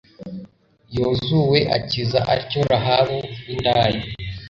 yozuwe akiza atyo rahabu w'indaya